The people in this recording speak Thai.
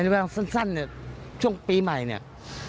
เวลาสั้นเนี่ยช่วงปีใหม่เนี่ย